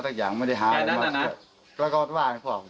คุยหญิงหรอนะ